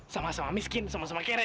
sama sama miskin sama sama kere